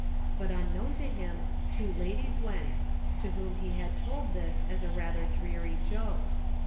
But unknown to him two ladies went, to whom he had told this as a rather dreary joke.